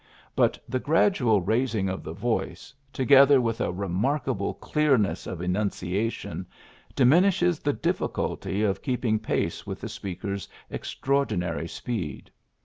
But the grad ual raising of the voice, together with a remarkable clearness of enunciation, diminishes the difficulty of keeping pace with the speaker's extraordinary speed.